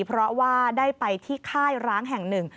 เพราะว่าได้ไปที่ค่ายร้างแห่งหนึ่ง